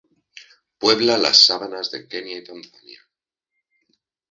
Puebla las sabanas de Kenia y Tanzania.